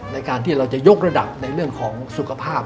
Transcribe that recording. ในการที่เราจะยกระดับในเรื่องของสุขภาพ